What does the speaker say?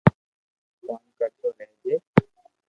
ڪوم ڪرتو رھجي